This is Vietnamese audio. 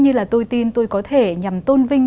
như là tôi tin tôi có thể nhằm tôn vinh